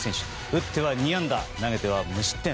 打っては２安打投げては無失点。